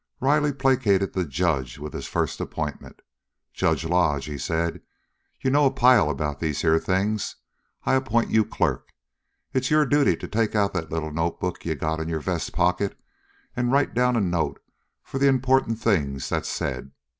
Riley placated the judge with his first appointment. "Judge Lodge," he said, "you know a pile about these here things. I appoint you clerk. It's your duty to take out that little notebook you got in your vest pocket and write down a note for the important things that's said.